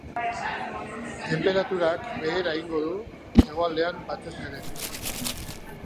Tenperaturak behera egingo du, hegoaldean batez ere.